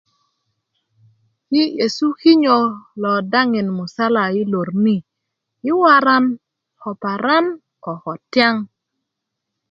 yi nyesu kinyi daŋin musala i lor ni i waran ko paran ko ko tiyaŋ